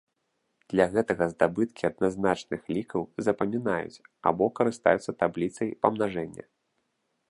Для гэтага здабыткі адназначных лікаў запамінаюць або карыстаюцца табліцай памнажэння.